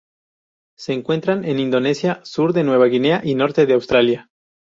Se encuentran en Indonesia, sur de Nueva Guinea y norte de Australia.